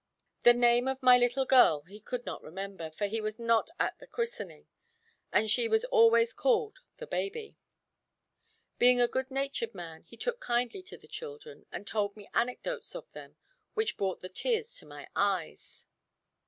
The name of my little girl he could not remember, for he was not at the christening, and she was always called the baby. Being a good natured man he took kindly to the children, and told me anecdotes of them which brought the tears to my eyes.